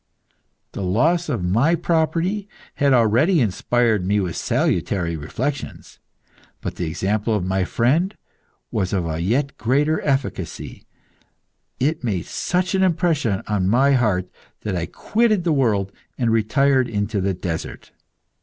The loss of my property had already inspired me with salutary reflections, but the example of my friend was of yet greater efficacy; it made such an impression on my heart that I quitted the world and retired into the desert.